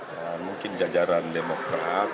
dan mungkin jajaran demokrat